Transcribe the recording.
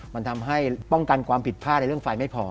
มันทำให้ป้องกันความผิดพลาดในเรื่องไฟไม่พอ